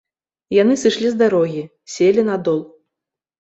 Яны сышлі з дарогі, селі на дол.